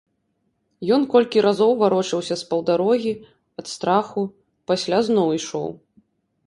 Ён колькі разоў варочаўся з паўдарогі, ад страху, пасля зноў ішоў.